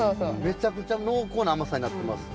めちゃくちゃ濃厚な甘さになってます。